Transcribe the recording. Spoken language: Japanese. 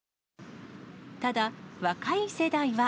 ただ、若い世代は。